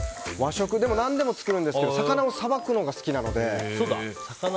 何でも作るんですけど魚をさばくのが好きなので。